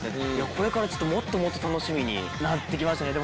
これからちょっともっともっと楽しみになってきましたね。